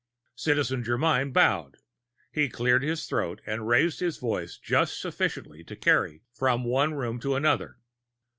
Citizen Germyn bowed. He cleared his throat and raised his voice just sufficiently to carry from one room to another.